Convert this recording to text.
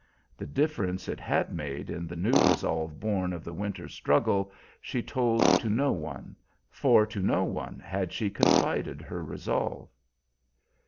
The difference it had made in that new resolve born of the winter's struggle she told to no one; for to no one had she confided her resolve.